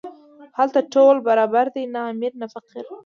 هلته ټول برابر دي، نه امیر نه فقیر.